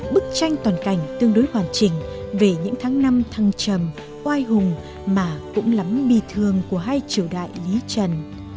bức tranh toàn cảnh tương đối hoàn chỉnh về những tháng năm thăng trầm oai hùng mà cũng lắm bi thương của hai triều đại lý trần